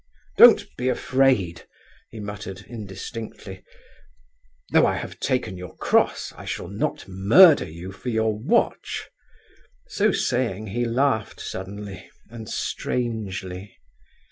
"Don't be afraid," he muttered, indistinctly, "though I have taken your cross, I shall not murder you for your watch." So saying, he laughed suddenly, and strangely.